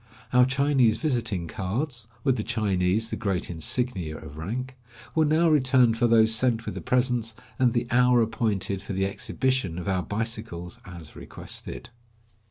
Our Chinese visiting cards — with the Chinese the great insignia of rank — were now returned for those sent with the presents, and the hour appointed for the exhibition of our bicycles as requested.